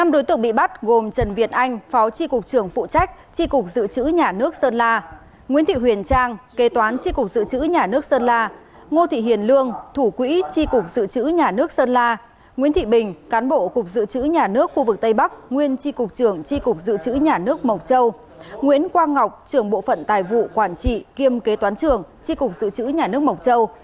năm đối tượng bị bắt gồm trần việt anh phó tri cục trưởng phụ trách tri cục dự trữ nhà nước sơn la nguyễn thị huyền trang kế toán tri cục dự trữ nhà nước sơn la ngô thị hiền lương thủ quỹ tri cục dự trữ nhà nước sơn la nguyễn thị bình cán bộ cục dự trữ nhà nước khu vực tây bắc nguyên tri cục trưởng tri cục dự trữ nhà nước mộc châu nguyễn quang ngọc trưởng bộ phận tài vụ quản trị kiêm kế toán trưởng tri cục dự trữ nhà nước mộc châu